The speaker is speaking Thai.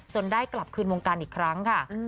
ได้กลับคืนวงการอีกครั้งค่ะ